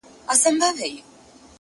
نن بيا يوې پيغلي په ټپه كـي راتـه وژړل _